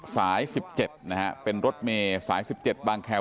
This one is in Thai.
สาย๑๗นะฮะเป็นรถเมสาย๑๗บางแควัด